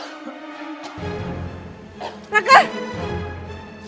gua ngerjain dia